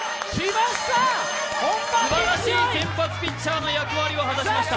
すばらしい先発ピッチャーの役割を果たしました。